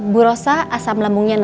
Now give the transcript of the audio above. kemudian ya sampe committed